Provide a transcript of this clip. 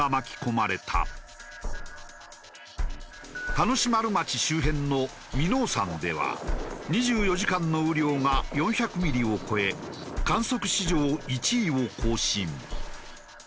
田主丸町周辺の耳納山では２４時間の雨量が４００ミリを超え観測史上１位を更新。